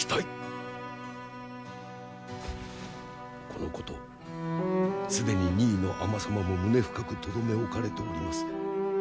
このこと既に二位の尼様も胸深くとどめ置かれております。